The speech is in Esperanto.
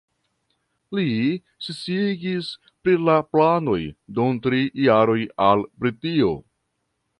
Li sciigis pri la planoj dum tri jaroj al Britio.